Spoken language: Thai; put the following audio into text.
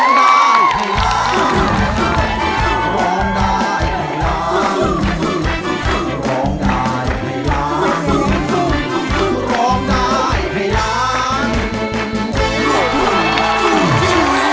โทษให้โทษให้